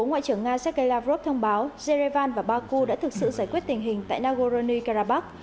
ông lavrov thông báo zerevan và baku đã thực sự giải quyết tình hình tại nagorno karabakh